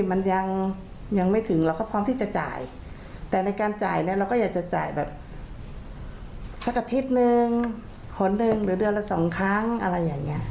ไม่ได้มีความคิดที่จะโกงจะอะไรเลย